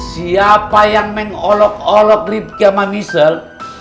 siapa yang mengolok olok ribka mamisel